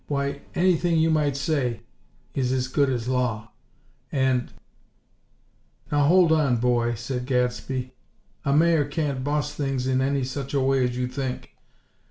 Why, anything you might say is as good as law; and " "Now, hold on, boy!" said Gadsby, "a Mayor can't boss things in any such a way as you think.